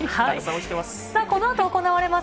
このあと行われます